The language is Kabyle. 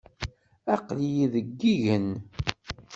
Aql-iyi deg yigen.